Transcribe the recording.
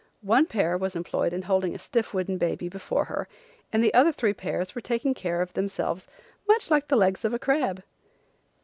One pair was employed in holding a stiff wooden baby before her and the other three pairs were taking care of themselves much like the legs of a crab.